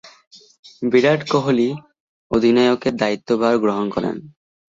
বিরাট কোহলি অধিনায়কের দায়িত্বভার গ্রহণ করেন।